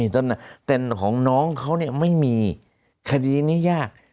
แต่ของน้องเขาไม่มีคดีนี้ยาก